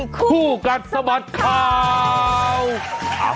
คู่กัดสะบัดข่าว